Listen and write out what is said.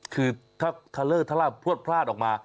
คือถ้าทะเลอร์ทะล่าพลวดพลาดออกมา